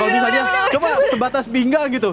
kalau misalnya coba sebatas pinggang gitu